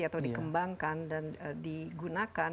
atau dikembangkan dan digunakan